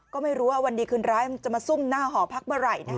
ก็ไม่รู้ว่าวันดีคืนร้ายมันจะมาซุ่มหน้าหอพักเมื่อไหร่นะคะ